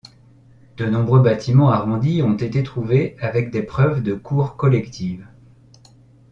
De nombreux bâtiments arrondis ont été trouvés avec des preuves de cours collectives.